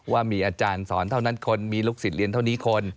ว่ามีอาจารย์สอนเท่านั้นคนมีลูกศิษย์เรียนเท่านี้คน